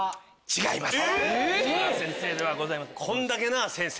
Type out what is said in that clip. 違います。